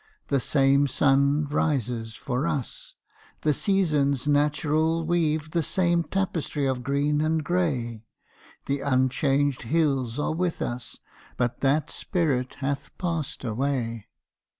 the same sun Rises for us: the seasons natural Weave the same tapestry of green and grey: The unchanged hills are with us: but that Spirit hath passed away.